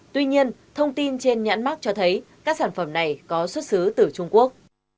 tuy nhiên thông tin trên nhãn mắc cho thấy các sản phẩm này có xuất xứ từ trung quốc